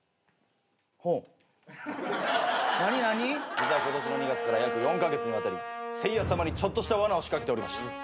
実は今年の２月から約４カ月にわたりせい康さまにちょっとしたわなを仕掛けておりました。